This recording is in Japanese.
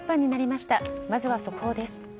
まずは速報です。